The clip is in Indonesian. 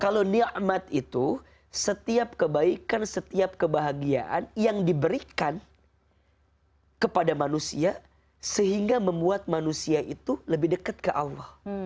kalau niat itu setiap kebaikan setiap kebahagiaan yang diberikan kepada manusia sehingga membuat manusia itu lebih dekat ke allah